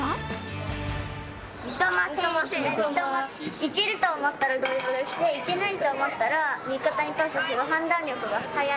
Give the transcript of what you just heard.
いけると思ったら、ドリブルして、いけないと思ったら、味方にパスする判断力が早い。